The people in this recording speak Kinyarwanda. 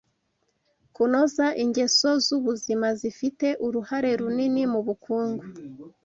kunoza ingeso zubuzima zifite uruhare runini mu bukungu